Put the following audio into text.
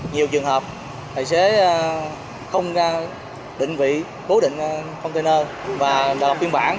nhiều trường hợp tài xế không định vị bố định container và đọc phiên bản